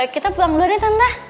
kita pulang dulu nih tante